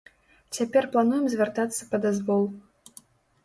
Цяпер плануем звяртацца па дазвол.